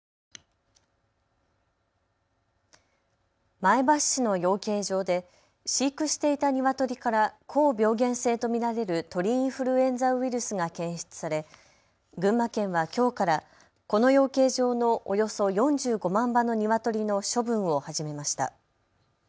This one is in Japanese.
前橋市の養鶏場で飼育していたニワトリから高病原性と見られる鳥インフルエンザウイルスが検出され群馬県はきょうからこの養鶏場のおよそ４５万羽のニワトリの処分を始めました。